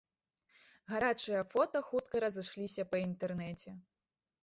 Гарачыя фота хутка разышліся па інтэрнэце.